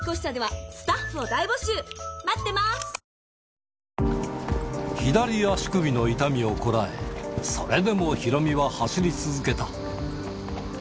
ニトリ左足首の痛みをこらえ、それでもヒロミは走り続けた。